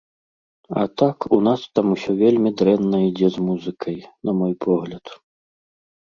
А так, у нас там усё вельмі дрэнна ідзе з музыкай, на мой погляд.